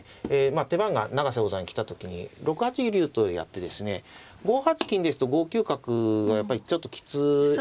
手番が永瀬王座に来た時に６八竜とやってですね５八金ですと５九角がやっぱりちょっときついんですね。